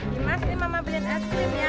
dimas ini mama beliin es krim ya